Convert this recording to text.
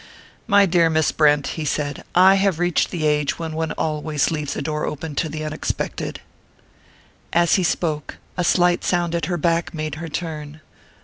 "My dear Miss Brent," he said, "I have reached the age when one always leaves a door open to the unexpected." As he spoke, a slight sound at her back made her turn.